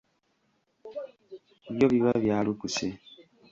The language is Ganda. Byo biba byalukuse.